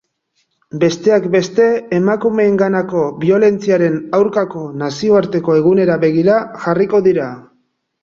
Besteak beste, emakumeenganako biolentziaren aurkako nazioarteko egunera begira jarriko dira.